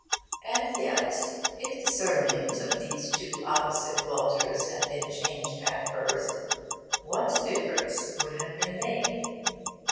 And yet, if the surnames of these two opposite Walters had been changed at birth, what difference would have been made?